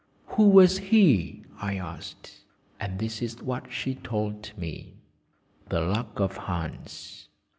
"Who was he?" I asked. And this is what she told me. The Luck of Hans.